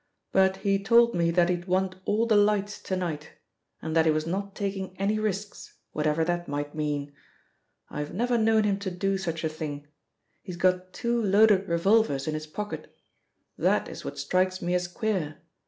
But he told me that he'd want all the lights to night, and that he was not taking any risks, whatever that might mean. I've never known him to do such a thing. He's got two loaded revolvers in his pocket that is what strikes me as queer.